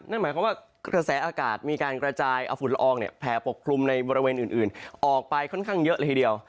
นั่นหมายความว่ากระแสอากาศมีการกระจายเอาฝุ่นละอองเนี่ยแผ่ปกคลุมในบริเวณอื่นออกไปค่อนข้างเยอะเลยทีเดียว